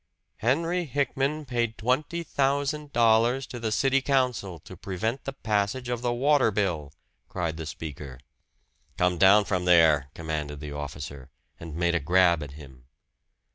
"Henry Hickman paid twenty thousand dollars to the city council to prevent the passage of the water bill!" cried the speaker. "Come down from there!" commanded the officer, and made a grab at him.